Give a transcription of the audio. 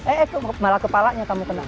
eh itu malah kepalanya kamu kena